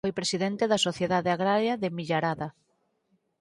Foi presidente da sociedade agraria de Millarada.